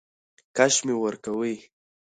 کش مي ورکوی .